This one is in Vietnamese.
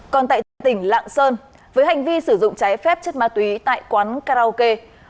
còn tại tỉnh lạng sơn với hành vi sử dụng trái phép chất ma túy tại quán karaoke